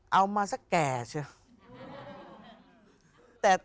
เอามาสักแก่เชียว